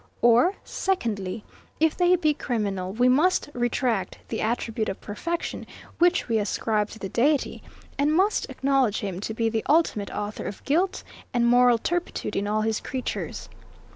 Or, Secondly, if they be criminal, we must retract the attribute of perfection, which we ascribe to the Deity, and must acknowledge him to be the ultimate author of guilt and moral turpitude in all his creatures.